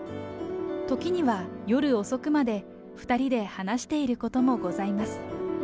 時には、夜遅くまで２人で話していることもございます。